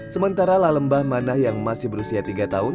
sementara la lembah mana yang masih berusia tiga tahun